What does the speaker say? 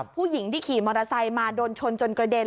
ผู้หญิงที่ขี่มอเตอร์ไซค์มาโดนชนจนกระเด็น